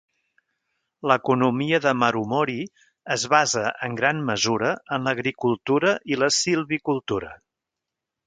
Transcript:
L'economia de Marumori es basa en gran mesura en l'agricultura i la silvicultura.